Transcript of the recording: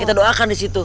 kita doakan disitu